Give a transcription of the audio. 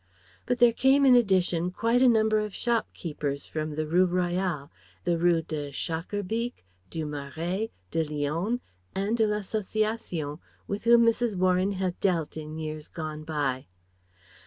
But there came in addition quite a number of shopkeepers from the Rue Royale, the Rues de Schaerbeek, du Marais, de Lione, and de l'Association, with whom Mrs. Warren had dealt in years gone by.